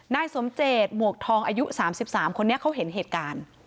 นายสมเจตหมวกทองอายุ๓๓คนนี้เขาเห็นเหตุการณ์